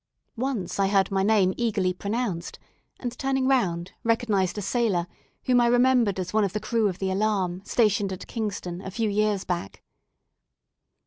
Once I heard my name eagerly pronounced, and turning round, recognised a sailor whom I remembered as one of the crew of the "Alarm," stationed at Kingston, a few years back.